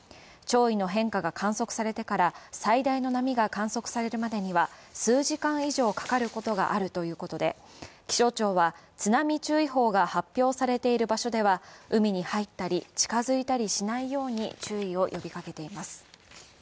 潮位の変化が観測されてから最大の波が観測されるまでには数時間以上かかることがあるということで、気象庁は津波注意報が発表されている場所では海に入ったり近づいたりしないように注意を呼びかけています。